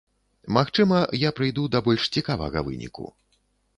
Магчыма, я прыйду да больш цікавага выніку.